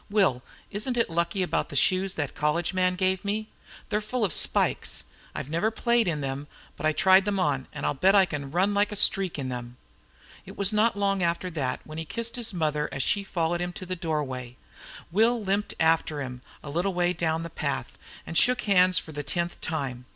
Will, isn't it lucky about the shoes that college man gave me? They're full of spikes. I've never played in them, but I tried them on, and I'll bet I can run like a streak in them." It was not long after that when he kissed his mother as she followed him to the doorway. Will limped after him a little way down the path and shook hands for the tenth time.